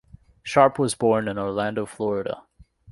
Sharp was born in Orlando, Florida.